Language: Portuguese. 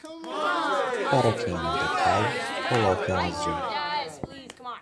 Para quem nada cai, coloque um azul.